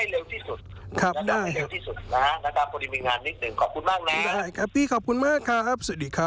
สวัสดีครับขอบคุณครับ